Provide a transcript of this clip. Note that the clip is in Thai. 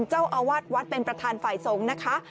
เจ้าอาวาสวัดเป็นประธานฝ่ายสงฆ์นะคะ